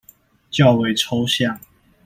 較為抽象